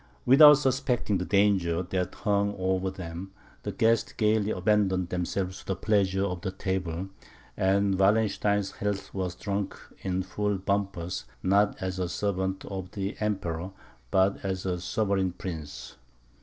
Without suspecting the danger that hung over them, the guests gaily abandoned themselves to the pleasures of the table, and Wallenstein's health was drunk in full bumpers, not as a servant of the Emperor, but as a sovereign prince.